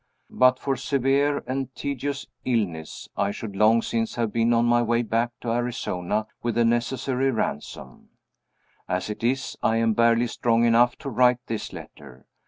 But for severe and tedious illness, I should long since have been on my way back to Arizona with the necessary ransom. As it is, I am barely strong enough to write this letter.